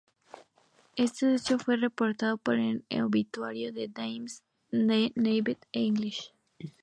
Este hecho fue reportado en el obituario de "The Times" de David English.